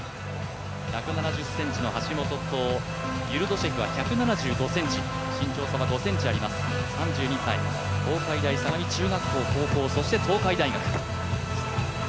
１７０ｃｍの橋本と、ユルドシェフは１７５ｃｍ身長差は５ｃｍあります、３２歳、東海大相模中学校・高校、そして東海大学。